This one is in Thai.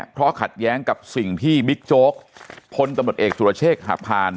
เพราะขัดแย้งกับสิ่งที่บิ๊กโจ๊กพลตำรวจเอกสุรเชษฐ์หักพาน